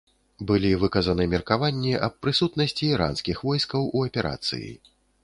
Былі выказаны меркаванні аб прысутнасці іранскіх войскаў у аперацыі.